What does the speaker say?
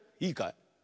いいかい？